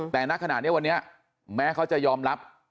แต่ณขณะนี้วันนี้แม้เขาจะยอมรับ